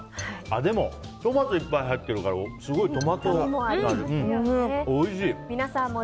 でもトマトいっぱい入ってるからすごいトマトの味も。